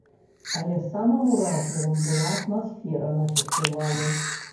Але самым уражлівым была атмасфера на фестывалі.